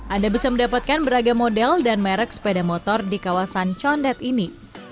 anda bisa mendapatkan beragam model dan merek sepeda motor di kawasan condet ini